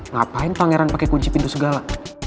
ngapain pangeran pakai kunci pintu segala